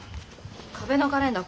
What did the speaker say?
壁のカレンダー